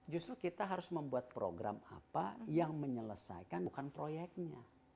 justru kita harus membuat program apa yang menyelesaikan bukan proyeknya